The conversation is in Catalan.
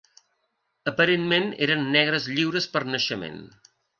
Aparentment eren negres lliures per naixement.